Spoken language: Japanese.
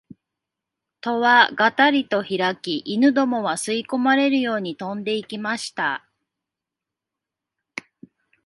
戸はがたりとひらき、犬どもは吸い込まれるように飛んで行きました